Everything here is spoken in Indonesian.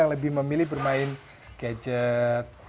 lebih memilih bermain gadget